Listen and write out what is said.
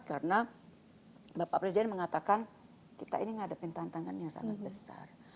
karena bapak presiden mengatakan kita ini menghadapi tantangan yang sangat besar